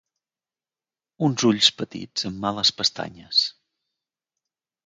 Uns ulls petits amb males pestanyes.